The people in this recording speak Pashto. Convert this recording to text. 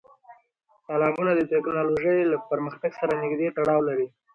تالابونه د تکنالوژۍ له پرمختګ سره نږدې تړاو لري.